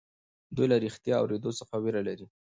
دوی له رښتيا اورېدو څخه وېره لري.